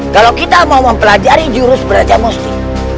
kalau kita mau mempelajari jurus brajamusti